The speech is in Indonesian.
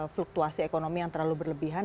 fluktuasi ekonomi yang terlalu berlebihan